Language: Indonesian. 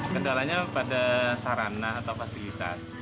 kendalanya pada sarana atau fasilitas